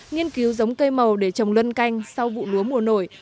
nghiên cứu giống cây màu để trồng luân canh sau vụ lúa mùa nổi